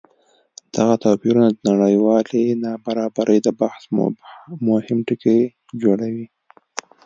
دغه توپیرونه د نړیوالې نابرابرۍ د بحث مهم ټکی جوړوي.